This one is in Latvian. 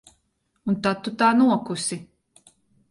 Un tad tu tā nokusi?